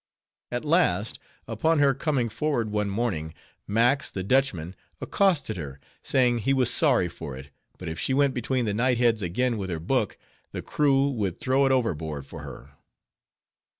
At last, upon her coming forward one morning, Max the Dutchman accosted her, saying he was sorry for it, but if she went between the knight heads again with her book, the crew would throw it overboard for her.